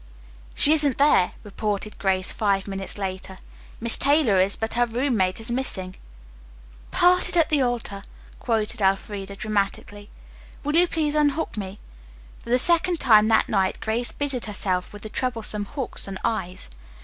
"She isn't there," reported Grace, five minutes later. "Miss Taylor is, but her roommate is missing." "'Parted at the altar,'" quoted Elfreda dramatically. "Will you please unhook me?" For the second time that night Grace busied herself with the troublesome hooks and eyes.